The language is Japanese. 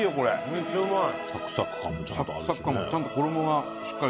めっちゃうまい！